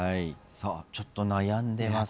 ちょっと悩んでます